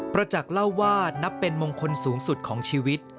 ประจักษ์เล่าว่านับเป็นมงคลสูงสุดของชีวิต